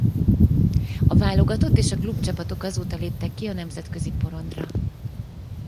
A válogatott és a klubcsapatok azóta léptek ki a nemzetközi porondra.